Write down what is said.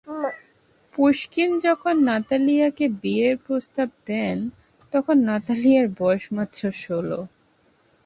Pushkin যখন নাতালিয়াকে বিয়ের প্রস্তাব দেন, তখন নাতালিয়ার বয়স মাত্র ষোলো।